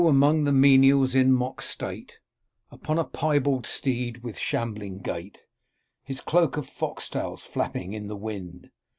among the menials, in mock state, Upon a piebald steed, with shambling gait ; His cloak of fox tails flapping in the wind.